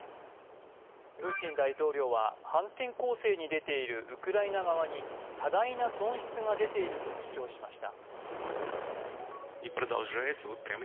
プーチン大統領は反転攻勢に出ているウクライナ側に多大な損失が出ていると主張しました。